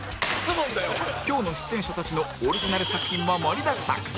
今日の出演者たちのオリジナル作品も盛りだくさん